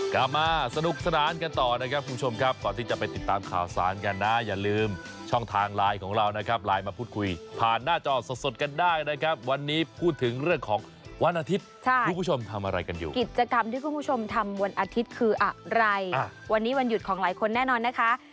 กลับมาสนุกสนานกันต่อนะครับคุณผู้ชมครับก่อนที่จะไปติดตามข่าวสารกันนะอย่าลืมช่องทางไลน์ของเรานะครับไลน์มาพูดคุยผ่านหน้าจอสดสดกันได้นะครับวันนี้พูดถึงเรื่องของวันอาทิตย์คุณผู้ชมทำอะไรกันอยู่กิจกรรมที่คุณผู้ชมทำวันอาทิตย์คืออะไรวันนี้วันหยุดของหลายคนแน่นอนนะคะ